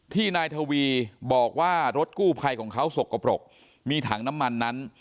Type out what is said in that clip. นายทวีบอกว่ารถกู้ภัยของเขาสกปรกมีถังน้ำมันนั้น